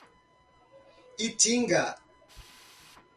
Itinga